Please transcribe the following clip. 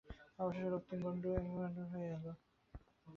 অবশেষে রক্তিম গণ্ড একদিন পাণ্ডুর হয়ে এল।